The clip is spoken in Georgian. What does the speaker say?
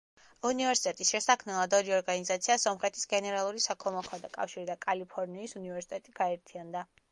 უნივერსიტეტის შესაქმნელად ორი ორგანიზაცია სომხეთის გენერალური საქველმოქმედო კავშირი და კალიფორნიის უნივერსიტეტი გაერთიანდა.